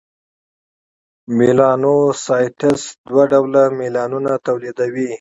میلانوسایټس دوه ډوله میلانون تولیدوي: